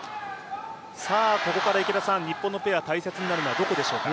ここから日本のペア、大切になるのはどんなところでしょう。